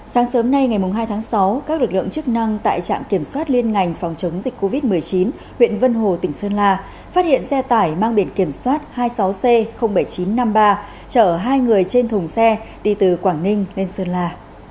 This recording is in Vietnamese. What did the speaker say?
sáng sớm nay ngày hai tháng sáu các lực lượng chức năng tại trạm kiểm soát liên ngành phòng chống dịch covid một mươi chín huyện vân hồ tỉnh sơn la phát hiện xe tải mang biển kiểm soát hai mươi sáu c bảy nghìn chín trăm năm mươi ba chở hai người trên thùng xe đi từ quảng ninh lên sơn la